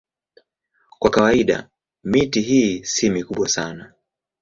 Kwa kawaida miti hii si mikubwa sana.